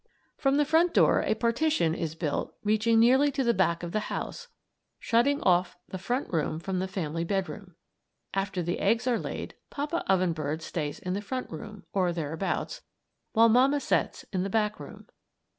] From the front door a partition is built reaching nearly to the back of the house, shutting off the front room from the family bedroom. After the eggs are laid Papa Oven bird stays in the front room or thereabouts while mamma sets in the back room.